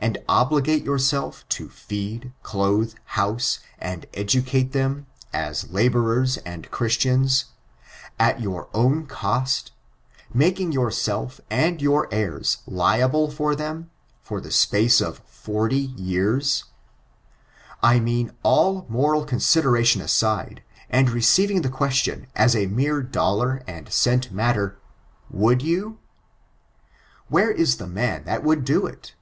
648 and obligate yourself to feed, clothe, house, and educate them as laborers and Christians, at your own cost, making yourself, and your heirs, liable for them, for the space of forty years 1 I mean, all moral considerations aside, and receiving the question as a mere dollar and cent matter — ^would youl Where is the man that would do it?